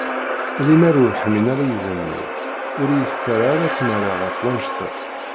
Limer ur ḥmin ara yidammen-iw ur iyi-tettarra ara tmara ɣer wanect-a.